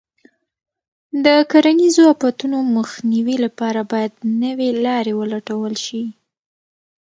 د کرنیزو آفتونو مخنیوي لپاره باید نوې لارې ولټول شي.